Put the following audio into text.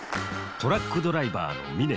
トラックドライバーの峯田。